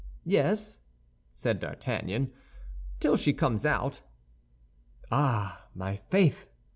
"Yes," said D'Artagnan, "till she comes out." "Ah, my faith!"